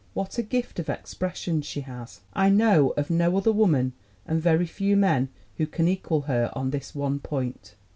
What a gift of expression she has! I know of no other woman and very few men who can equal her on this one point.